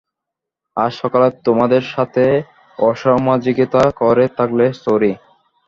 আজ সকালে তোমাদের সাথে অসামাজিকতা করে থাকলে সরি।